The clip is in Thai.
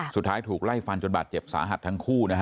สุดท้ายถูกไล่ฟันจนบาดเจ็บสาหัสทั้งคู่นะฮะ